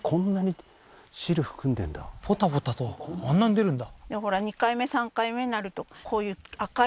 ポタポタとあんなに出るんだ？